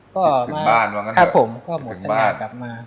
ก็หมดสัญญากลับมา